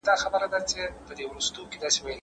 که وزارت وي نو پالیسي نه ورک کیږي.